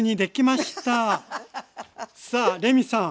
さあレミさん